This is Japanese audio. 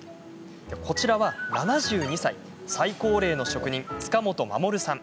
こちらは７２歳、最高齢の職人塚本衛さん。